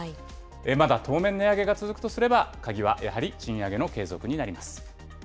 まだ当面値上げが続くとすれば、鍵はやはり賃上げの継続になります。